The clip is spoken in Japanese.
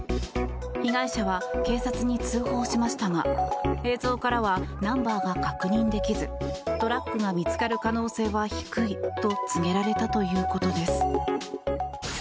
被害者は警察に通報しましたが映像からはナンバーが確認できずトラックが見つかる可能性は低いと告げられたということです。